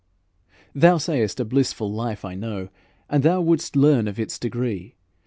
"Thou sayest a blissful life I know, And thou wouldst learn of its degree.